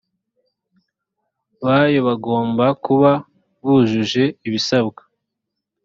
bayo bagomba kuba bujuje ibisabwa